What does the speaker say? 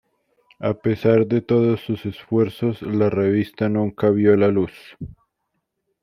A pesar de todos sus esfuerzos, la revista nunca vio la luz.